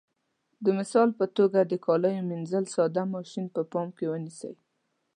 د مثال په توګه د کالیو منځلو ساده ماشین په پام کې ونیسئ.